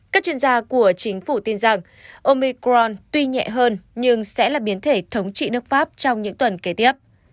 các chuyên gia của chính phủ tin rằng omicron tuy nhẹ hơn nhưng sẽ là biến thể thống trị nước pháp trong những tuần kế tiếp